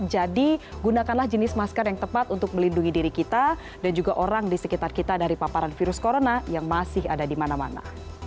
jadi gunakanlah jenis masker yang tepat untuk melindungi diri kita dan juga orang di sekitar kita dari paparan virus corona yang masih ada di mana mana